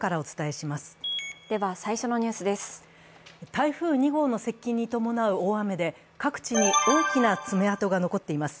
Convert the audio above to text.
台風２号の接近に伴う大雨で各地に大きな爪痕が残っています。